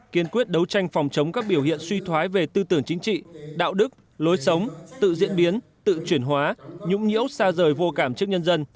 kiên quyết đấu tranh phòng chống các biểu hiện suy thoái về tư tưởng chính trị đạo đức lối sống tự diễn biến tự chuyển hóa nhũng nhiễu xa rời vô cảm trước nhân dân